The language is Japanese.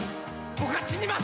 僕は死にません！」